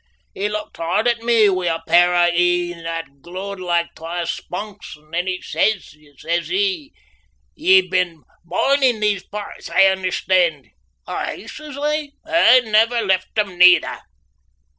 He looked hard at me wi' a pair o' een that glowed like twa spunks, and then he says, says he: "You've been born in these pairts, I understan'?" "Aye," says I, "and never left them neither."